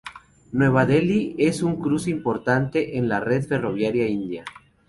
Nueva Delhi es un cruce importante en la red ferroviaria india.